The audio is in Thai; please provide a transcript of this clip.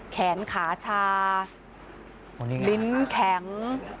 แขนขาชาลิ้นแข็ง